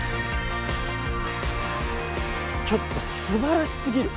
ちょっとすばらしすぎる。